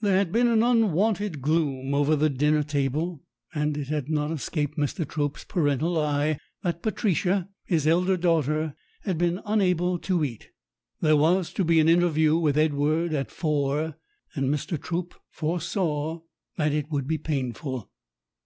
There had been an unwonted gloom over the dinner table, and it had not escaped Mr. Trope's parental eye that Patricia, his elder daughter, had been unable to eat. There was to be an interview with Edward at four, and Mr. Trope foresaw that it would be painful.